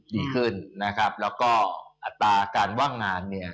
ดีขึ้นนะครับแล้วก็อัตราการว่างงานเนี่ย